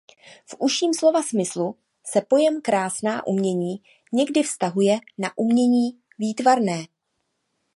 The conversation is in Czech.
V užším slova smyslu se pojem krásná umění někdy vztahuje na umění výtvarné.